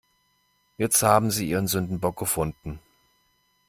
Jetzt haben sie ihren Sündenbock gefunden.